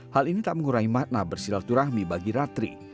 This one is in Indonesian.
hal ini tak mengurangi makna bersilaturahmi bagi ratri